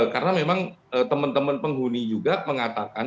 karena memang teman teman penghuni juga mengatakan